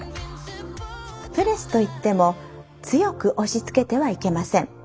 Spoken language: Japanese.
プレスといっても強く押しつけてはいけません。